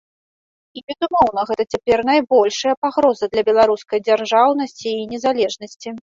І, безумоўна, гэта цяпер найбольшая пагроза для беларускай дзяржаўнасці і незалежнасці.